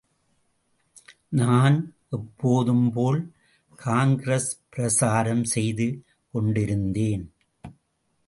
நான் எப்போதும்போல் காங்கிரஸ் பிரசாரம் செய்து கொண்டிருந்தேன்.